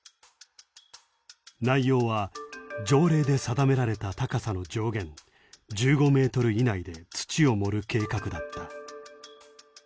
内容は条例で定められた高さの上限１５メートル以内で土を盛る計画だった。